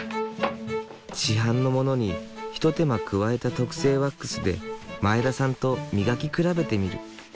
市販のものに一手間加えた特製ワックスで前田さんと磨き比べてみる。